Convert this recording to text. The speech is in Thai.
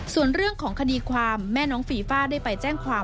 ส่วนเรื่องของคดีความแม่น้องฟีฟ่าได้ไปแจ้งความ